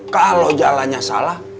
kalau jalannya salah